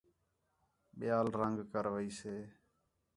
ٻِیال رنگ کَرویسے